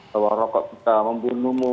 bahwa rokok bisa membunuhmu